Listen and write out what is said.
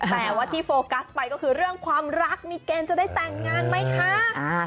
แต่ว่าที่โฟกัสไปก็คือเรื่องความรักมีเกณฑ์จะได้แต่งงานไหมคะ